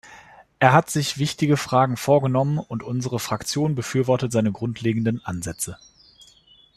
Er hat sich wichtige Fragen vorgenommen, und unsere Fraktion befürwortet seine grundlegenden Ansätze.